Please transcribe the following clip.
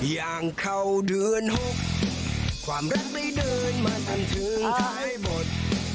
อย่างเข้าเดือน๖ความรักไม่เดินมาจนถึงท้ายบท